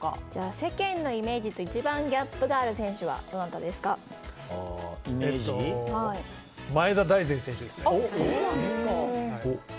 世間のイメージと一番ギャップがある選手は前田大然選手ですね。